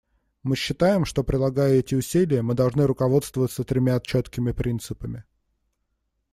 Мы считаем, что, прилагая эти усилия, мы должны руководствоваться тремя четкими принципами.